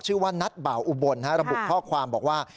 ชื่อว่านัทบ่าวอุบลระบุข้อความบอกว่า